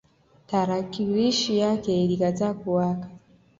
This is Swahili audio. Tarakilishi yake ilikataa kuwaka